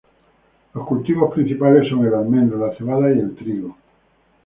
Los cultivos principales son el almendro, la cebada y el trigo.